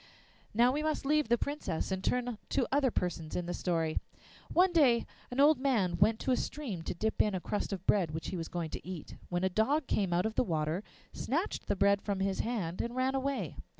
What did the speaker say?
Now we must leave the Princess and turn to the other persons in the story. One day an old man went to a stream to dip in a crust of bread which he was going to eat, when a dog came out of the water, snatched the bread from his hand, and ran away.